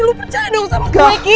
lu percaya dong sama gue ki